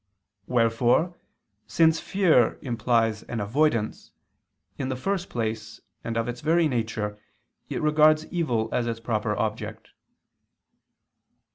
Wherefore, since fear implies an avoidance, in the first place and of its very nature it regards evil as its proper object.